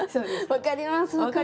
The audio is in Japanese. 分かります！